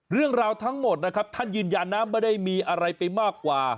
เรื่องราวทั้งหมดนะครับท่านยืนยันนะไม่ได้มีอะไรไปมากกว่า